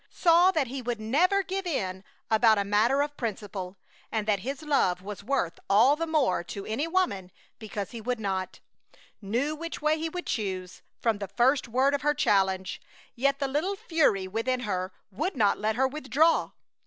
Saw that he would never give in about a matter of principle, and that his love was worth all the more to any woman because he would not; knew which way he would choose, from the first word of her challenge; yet the little fury within her would not let her withdraw.